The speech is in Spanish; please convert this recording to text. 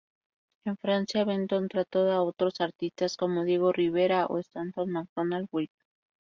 En Francia, Benton trató a otros artistas como Diego Rivera o Stanton Macdonald-Wright.